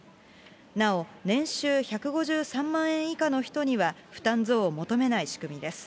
なお、年収１５３万円以下の人には負担増を求めない仕組みです。